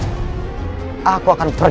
saya akan mencari